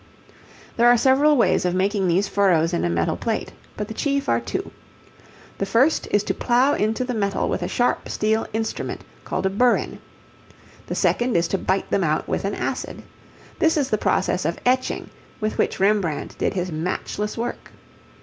There are several ways of making these furrows in a metal plate, but the chief are two. The first is to plough into the metal with a sharp steel instrument called a burin. The second is to bite them out with an acid. This is the process of etching with which Rembrandt did his matchless work.